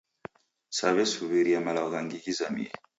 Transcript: Saw'esuw'iria malagho ghangi ghizamie